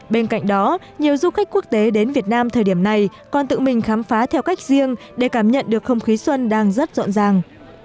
bên cạnh đó nhiều du khách quốc tế đến việt nam thời điểm này còn tự mình khám phá theo cách riêng để cảm nhận được không khí xuân đang rất rộn ràng